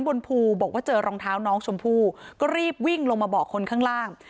บนภูบอกว่าเจอรองเท้าน้องชมพู่ก็รีบวิ่งลงมาบอกคนข้างล่าง